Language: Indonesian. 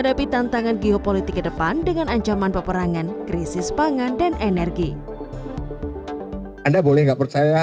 di geopolitik ke depan dengan ancaman peperangan krisis dangan dan energi anda boleh enggak percaya